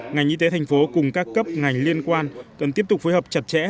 ngành y tế thành phố cùng các cấp ngành liên quan cần tiếp tục phối hợp chặt chẽ